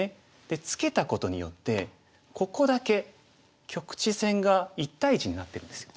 でツケたことによってここだけ局地戦が１対１になってるんですよ。